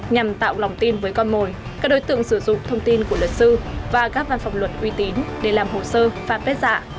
nhằm tạo lòng tin với con mồi các đối tượng sử dụng thông tin của luật sư và các văn phòng luật uy tín để làm hồ sơ fanpage dạ